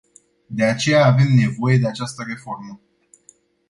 De aceea avem nevoie de această reformă.